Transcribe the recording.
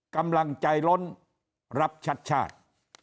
กำลังใจล้นรับชัดชาติ